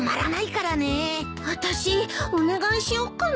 あたしお願いしよっかな。